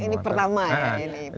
ini pertama ya